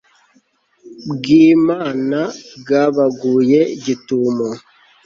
bw Imana bwabaguye gitumo